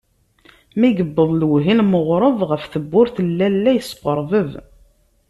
Mi yewweḍ lewhi n lmeɣreb, ɣef tewwurt n lalla yesqerbeb.